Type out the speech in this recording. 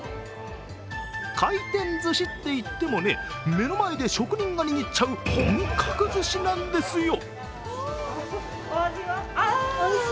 回転ずしっていってもね、目の前で職人が握っちゃう本格ずしなんなですよ。